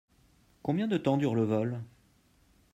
Combien de temps dure le vol ?